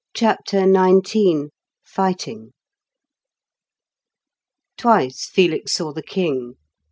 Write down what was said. CHAPTER XIX FIGHTING Twice Felix saw the king.